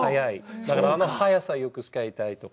だからあの速さよく使いたいとか。